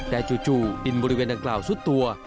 แต่จู่ดินบริเวณดังกล่าวซุดตัว